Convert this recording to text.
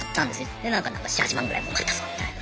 でなんか７８万ぐらいもうかったぞみたいな。